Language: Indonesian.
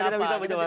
tidak bisa menjawab